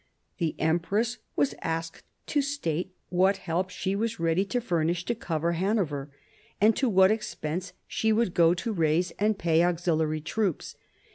The empress was asked to state what help she was ready to furnish to cover Hanover, and to what expense she would go to raise and pay 104 MARIA THERESA chap, v auxiliary troops.